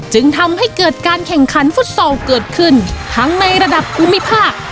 จึงทำให้เกิดการแข่งขันฟุตซอลเกิดขึ้นทั้งในระดับภูมิภาค